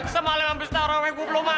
semalem habis tau rame gua belum makan